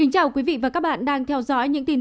cảm ơn các bạn đã theo dõi